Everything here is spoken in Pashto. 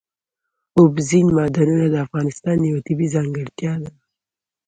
اوبزین معدنونه د افغانستان یوه طبیعي ځانګړتیا ده.